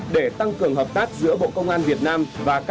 để tăng cường hợp tác giữa bộ công an việt nam và các tỉnh tây nguyên